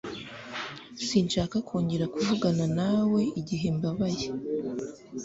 Sinshaka kongera kuvugana nawe gihe mbabaye